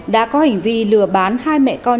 đã có hành vi lừa bán hai mẹ con